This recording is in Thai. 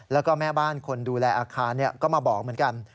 แล้วก็แม่บ้านคนดูแลอาคารก็มาบอกเหมือนกัน